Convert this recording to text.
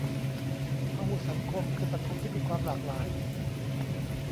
พหุสังคม คือสังคมที่มีความหลากหลาย